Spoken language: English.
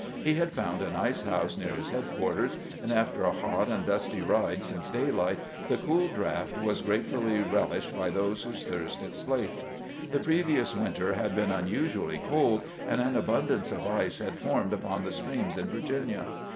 He had foimd an ice house near his headquarters, and after a hot and dusty ride since daylight the cool draught was gratefully relished by those whose thirst it slaked. The previous winter had been unusually cold, and an abun dance of ice had formed upon the streams in Virginia.